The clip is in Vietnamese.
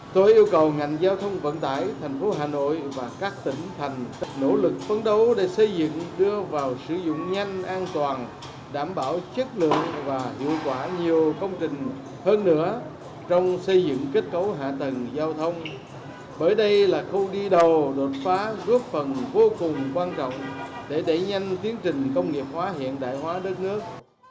tổ đột phá rút phần vô cùng quan trọng để đẩy nhanh tiến trình công nghiệp hóa hiện đại hóa đất nước